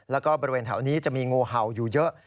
แล้วก็บริเวณแถวนี้จะมีงูเห่าอยู่เยอะ